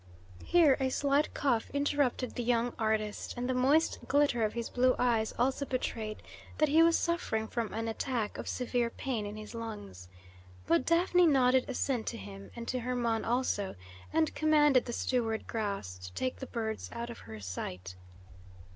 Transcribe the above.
Here a slight cough interrupted the young artist, and the moist glitter of his blue eyes also betrayed that he was suffering from an attack of severe pain in his lungs; but Daphne nodded assent to him, and to Hermon also, and commanded the steward Gras to take the birds out of her sight.